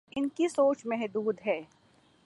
ان کی سوچ محدود ہے۔